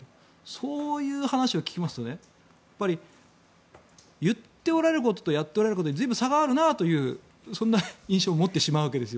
そういう話を聞きますと言っておられることとやっておられることに随分差があるなという印象を持ってしまうわけですよ。